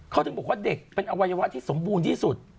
เขาถึงบอกว่าเด็กเป็นอวัยวะที่สมบูรณ์ที่สุด